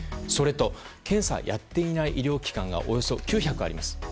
それと、検査やっていない医療機関がおよそ９００あります。